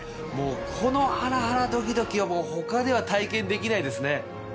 このハラハラドキドキは他では体験できないですね。